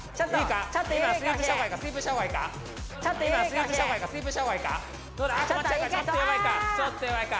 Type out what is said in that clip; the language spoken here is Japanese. ちょっと弱いか。